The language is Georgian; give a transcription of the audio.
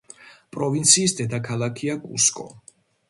პროვინციის დედაქალაქია კუსკო.